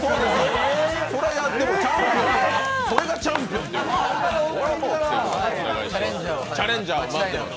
それがチャンピオンということで、待ってます。